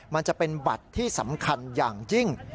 มันจะเป็นบัตรที่สำคัญอย่างยิ่ง